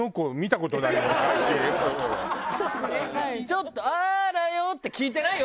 ちょっと「あらよ」って聞いてないよ